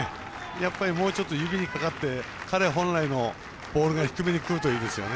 やっぱりもうちょっと指にかかって彼本来のボールが低めにくるといいですよね。